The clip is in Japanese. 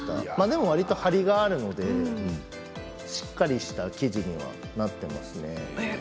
でも、わりと張りがあるのでしっかりした生地にはなっていきますね。